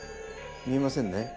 見えませんね？